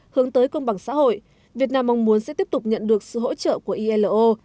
hướng tới công bằng xã hội việt nam mong muốn sẽ tiếp tục nhận được sự hỗ trợ của ilo